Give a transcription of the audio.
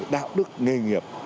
đạo đức nghề nghiệp